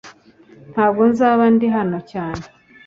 Ntabwo nzaba ndi hano cyane .